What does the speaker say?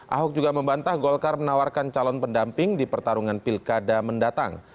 ahok juga membantah golkar menawarkan calon pendamping di pertarungan pilkada mendatang